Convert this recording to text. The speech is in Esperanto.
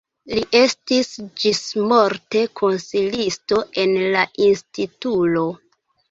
Li estis ĝismorte konsilisto en la instituto.